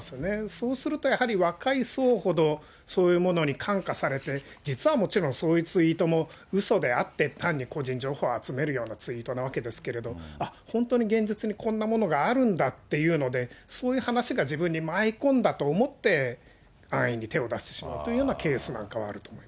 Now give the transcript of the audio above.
そうすると、やはり若い層ほど、そういうものに感化されて、実はもちろんそういうツイートもうそであって、単に個人情報を集めるようなツイートなんですけれども、あっ、本当に現実にこんなものがあるんだっていうので、そういう話が自分に舞い込んだと思って、安易に手を出してしまうというようなケースなんかもあると思い